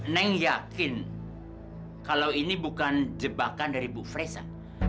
neng yakin kalau ini bukan jebakan dari bu fresa